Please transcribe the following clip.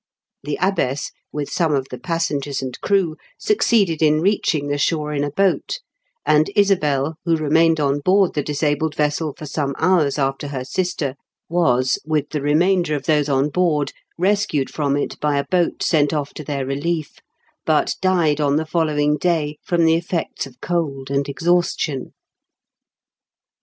The abbess, with some of the passengers and crew, succeeded in reaching the shore in a boat, and Isabel, who remained on board the disabled vessel for some hours after her sister, was, with the remainder of those on board. 302 IN KENT WITH CHARLES DICKENS. rescued from it by a boat sent off to their relief, but died on the following day from the effects of cold and exhaustion.